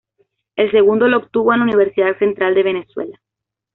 El segundo lo obtuvo en la Universidad Central de Venezuela.